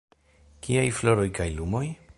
Kiaj floroj kaj lumoj?